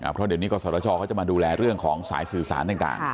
เพราะเดี๋ยวนี้กศชเขาจะมาดูแลเรื่องของสายสื่อสารต่าง